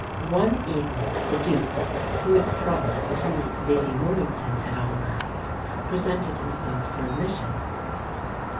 One evening, the Duke, who had promised to meet Lady Mornington at Almack's, presented himself for admission.